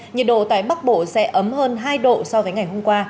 nhiệt độ tại bắc bộ sẽ ấm hơn hai độ so với ngày hôm qua